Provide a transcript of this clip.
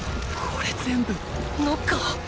これ全部ノッカー⁉